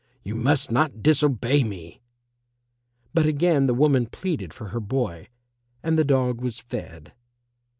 You must not disobey me." But again the woman pleaded for her boy, and the dog was fed.